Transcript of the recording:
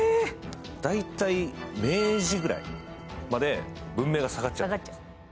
大体明治ぐらいまで文明が下がっちゃうんです。